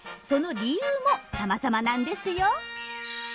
その理由もさまざまなんですよ。